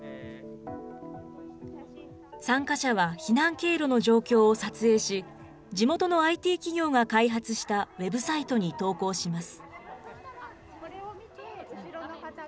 参加者は避難経路の状況を撮影し、地元のＩＴ企業が開発したウェブサイトに投稿します。